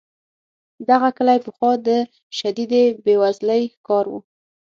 دغه کلی پخوا د شدیدې بې وزلۍ ښکار و.